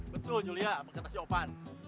betul julia mengerti opan